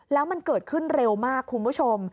แล้วมันเกิดขึ้นเร็วมากคุณผู้ชม